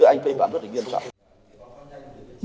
tức là anh vi phạm rất là nghiêm trọng